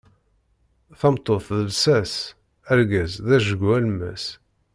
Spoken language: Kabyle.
Tameṭṭut d lsas, argaz d ajgu alemmas.